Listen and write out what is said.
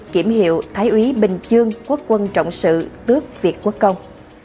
kiểm hiệu thái úy bình dương quốc quân trọng sự tước việt quốc công